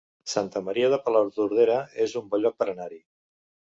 Santa Maria de Palautordera es un bon lloc per anar-hi